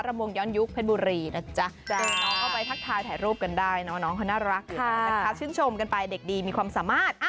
ละมวงย้อนยุคเผ็ดบุรีนะจ๊ะน้องเขาน่ารักอยู่นะคะชื่นชมกันไปเด็กดีมีความสามารถ